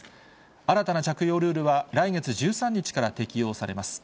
新たな着用ルールは、来月１３日から適用されます。